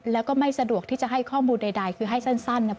แล้วก็ไม่สะดวกที่จะให้ข้อมูลใดคือให้สั้นเนี่ย